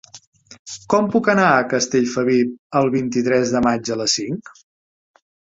Com puc anar a Castellfabib el vint-i-tres de maig a les cinc?